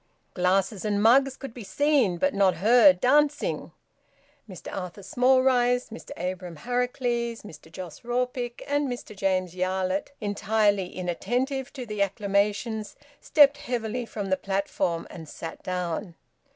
Glasses and mugs could be seen, but not heard, dancing. Mr Arthur Smallrice, Mr Abraham Harracles, Mr Jos Rawnpike, and Mr James Yarlett, entirely inattentive to the acclamations, stepped heavily from the platform and sat down.